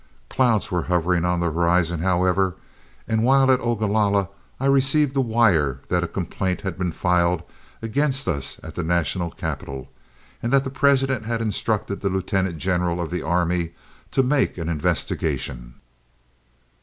Clouds were hovering on the horizon, however, and, while at Ogalalla, I received a wire that a complaint had been filed against us at the national capital, and that the President had instructed the Lieutenant General of the Army to make an investigation.